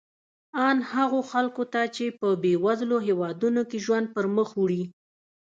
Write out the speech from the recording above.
ان هغو خلکو ته چې په بېوزلو هېوادونو کې ژوند پرمخ وړي.